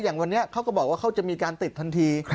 อย่างวันนี้เขาก็บอกว่าเขาจะมีการติดทันที